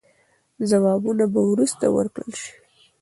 ځوابونه به وروسته ورکړل سي.